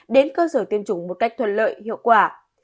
đến cơ sở tiêm chủng một cách thuận lợi hiệu quả